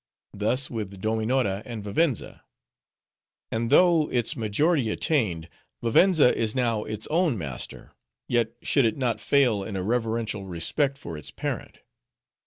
Thus with Dominora and Vivenza. And though, its majority attained, Vivenza is now its own master, yet should it not fail in a reverential respect for its parent.